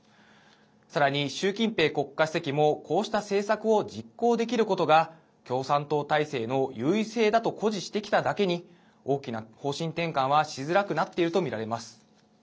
さらに習近平国家主席もこうした政策を実行できることが共産党体制の優位性だと誇示してきただけに大きな方針転換はしづらくなっているとみられます。